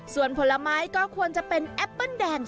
ส่วนผลไม้ก็ควรจะเป็นแอปเปิ้ลแดง